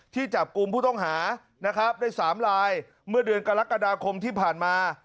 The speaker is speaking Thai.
จับกลุ่มผู้ต้องหานะครับได้๓ลายเมื่อเดือนกรกฎาคมที่ผ่านมา